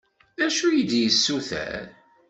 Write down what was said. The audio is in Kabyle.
D acu i yi-d-yessuter?